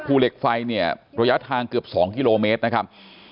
เหล็กไฟเนี่ยระยะทางเกือบ๒กิโลเมตรนะครับ